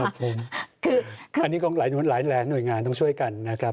ครับผมอันนี้ก็หลายหน่วยงานต้องช่วยกันนะครับ